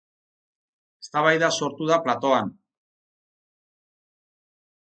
Eztabaida sortu da platoan.